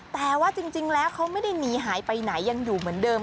แต่ว่าจริงแล้วเขาไม่ได้หนีหายไปไหนยังอยู่เหมือนเดิม